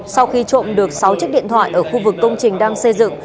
sau khi trộm được sáu chiếc điện thoại ở khu vực công trình đang xây dựng